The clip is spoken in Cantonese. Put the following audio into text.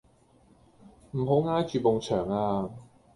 唔好挨住埲牆啊